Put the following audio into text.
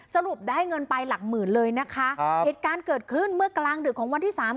สรุปได้เงินไปหลักหมื่นเลยนะคะอ่าเหตุการณ์เกิดขึ้นเมื่อกลางดึกของวันที่สาม